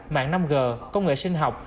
mạng năm g công nghệ sinh học